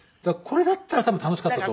これだったら多分楽しかった。